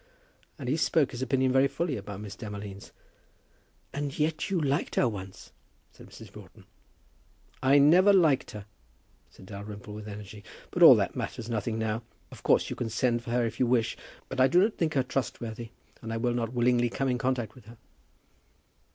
And he spoke his opinion very fully about Miss Demolines. "And yet you liked her once," said Mrs. Broughton. "I never liked her," said Dalrymple with energy. "But all that matters nothing now. Of course you can send for her if you please; but I do not think her trustworthy, and I will not willingly come in contact with her."